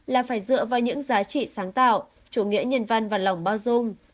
là phải dựa vào những giá trị sáng tạo chủ nghĩa nhân văn và lòng bao dung